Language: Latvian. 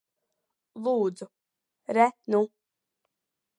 Lūdzu. Re nu.